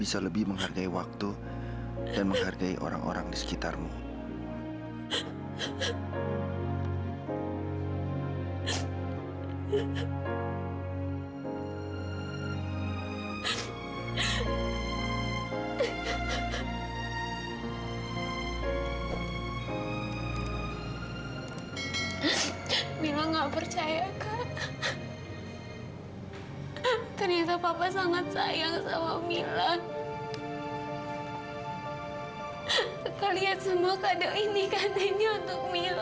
terima kasih ya bu